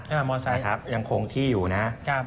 ใช่ไหมมอเตอร์ไซค์ยังคงที่อยู่นะ